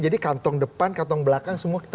kami instructo material selangkah ini